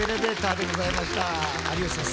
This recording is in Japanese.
有吉さん